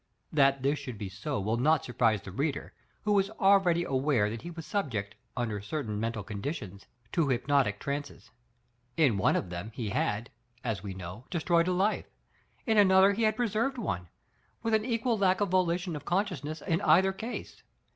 That this should be so will not surprise the reader, who is already aware that he was subject, under certain mental condi; tions, to hypnotic trances. In one of th«m he had, as we know, destroyed a life ; in another he had preserved one — with an equal lack of volition of consciousness in either case.